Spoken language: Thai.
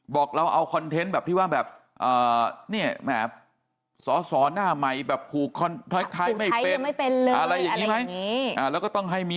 บอกเราเอาคอนเทนต์แบบที่ว่าแบบเนี่ยสสหน้าใหม่